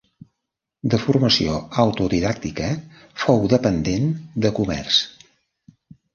De formació autodidàctica, fou dependent de comerç.